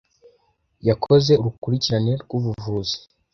Yakoze urukurikirane rwubuvuzi.